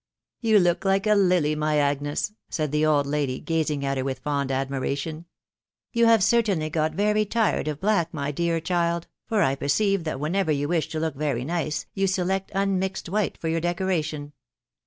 ... x " You look like a lily, my Agnes !" said the old lady, gazing at her with fond admiration.. " You have certainly got re?? tired of black, mv dear OdM> to I nercerre vat 461 whenever yea wish to look very nice, you select unmixed white for your decenties."